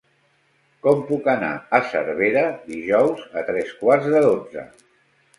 Com puc anar a Cervera dijous a tres quarts de dotze?